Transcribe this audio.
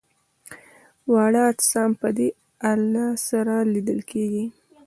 واړه اجسام په دې الې سره لیدل کیږي.